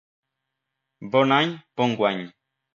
Bon any, bon guany.